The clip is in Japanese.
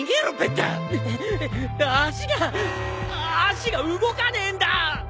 なっ足が足が動かねえんだ！